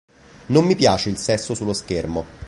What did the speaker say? Non mi piace il sesso sullo schermo.